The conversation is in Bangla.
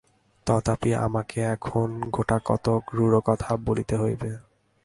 তথাপি আমাকে এখন গোটাকতক রূঢ় কথা বলিতে হইবে।